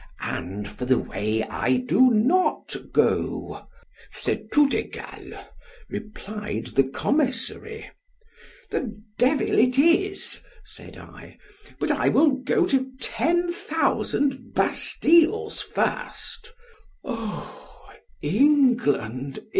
and for the way I do not go! ——C'est tout egal; replied the commissary—— ——The devil it is! said I—but I will go to ten thousand Bastiles first—— _O England!